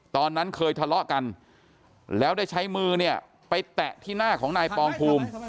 ตอนนั้นเคยทะเลาะกันแล้วได้ใช้มือเนี่ยไปแตะที่หน้าของนายปองภูมิ